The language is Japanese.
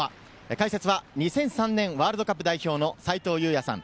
解説は２００３年ワールドカップ代表の斉藤祐也さん。